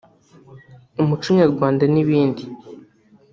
umuco nyarwanda n’ibindi